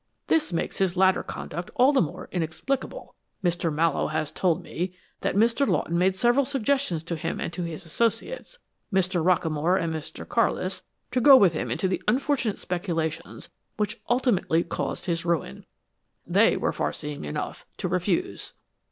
This makes his later conduct all the more inexplicable. Mr. Mallowe has told me that Mr. Lawton made several suggestions to him and to his associates, Mr. Rockamore and Mr. Carlis, to go with him into the unfortunate speculations which ultimately caused his ruin. They were far seeing enough to refuse."